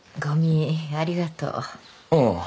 ごみありがとう。